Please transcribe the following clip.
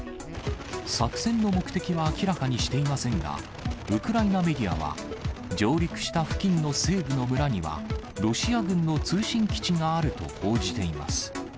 作戦の目的は明らかにしていませんが、ウクライナメディアは、上陸した付近の西部の村には、ロシア軍の通信基地があると報じています。